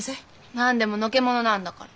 何でものけ者なんだから。